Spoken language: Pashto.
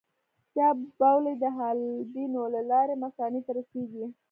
دا بولې د حالبینو له لارې مثانې ته رسېږي.